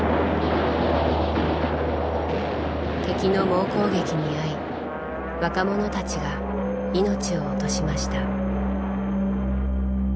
敵の猛攻撃に遭い若者たちが命を落としました。